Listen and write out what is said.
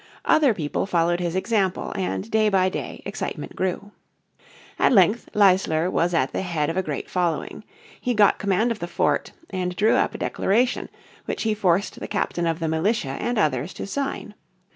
Other people followed his example, and day by day excitement grew. At length Leisler was at the head of a great following. He got command of the fort, and drew up a declaration which he forced the captain of the militia and others to sign.